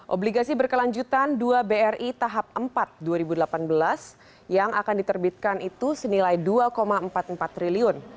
obligasi berkelanjutan dua bri tahap empat dua ribu delapan belas yang akan diterbitkan itu senilai dua empat puluh empat triliun